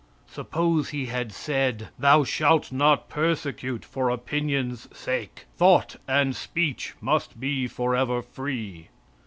Suppose He had said: "Thou shalt not persecute for opinion's sake; thought and speech must be forever free."